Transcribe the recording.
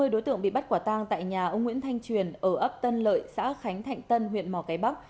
hai mươi đối tượng bị bắt quả tang tại nhà ông nguyễn thanh truyền ở ấp tân lợi xã khánh thạnh tân huyện mò cái bắc